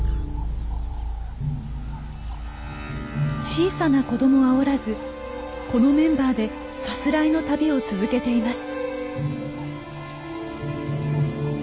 小さな子供はおらずこのメンバーでさすらいの旅を続けています。